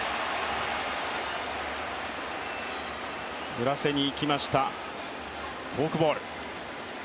振らせにいきました、フォークボール。